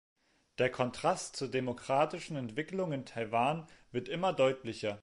Der Kontrast zur demokratischen Entwicklung in Taiwan wird immer deutlicher.